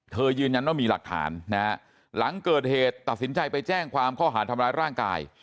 ยืนยันว่ามีหลักฐานนะฮะหลังเกิดเหตุตัดสินใจไปแจ้งความข้อหารทำร้ายร่างกาย